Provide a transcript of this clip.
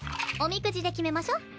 おみくじで決めましょ。